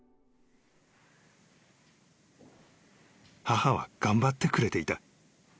［母は頑張ってくれていた］